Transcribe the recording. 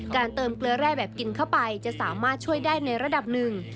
การเติมเกลือแร่แบบกินเข้าไปจะสามารถช่วยได้ในระดับหนึ่ง